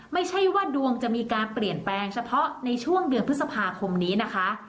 ไม่ใช่ว่าดวงจะมีการเปลี่ยนแปลงเฉพาะในช่วงเดือนพฤษภาคมนี้นะคะ